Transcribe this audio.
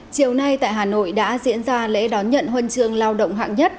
chiều nay tại hà nội đã diễn ra lễ đón nhận huân trường lao động hạng nhất